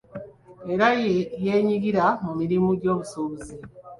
Era yenyigira mu mirimu gy'obusuubuzi.